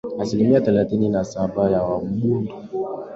Asilimia thelathini na saba Waambundu asilimia ishirini na